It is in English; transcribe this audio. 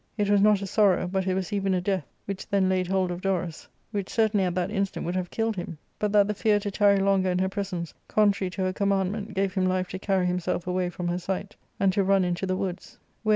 It was not a sorrow, but it was even a death, which then laid hold of Dorus ; which certainly at that instant would have killed him, but that the fear to tarry longer in her pre sence, contrary to her commandment, gave him life to carry himself away from her sight, and to nm into the woods, where.